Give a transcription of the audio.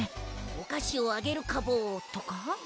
「お菓子をあげるかぼ」とか？